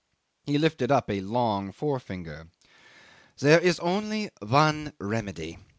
'He lifted up a long forefinger. '"There is only one remedy!